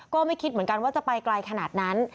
ก็ไม่คิดเหมือนกันว่าจะไปไกลขนาดนั้น